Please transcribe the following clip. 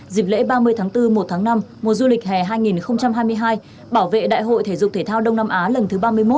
dịp lễ ba mươi tháng bốn một tháng năm mùa du lịch hè hai nghìn hai mươi hai bảo vệ đại hội thể dục thể thao đông nam á lần thứ ba mươi một